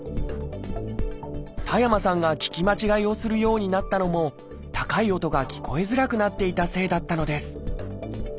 田山さんが聞き間違えをするようになったのも高い音が聞こえづらくなっていたせいだったのです。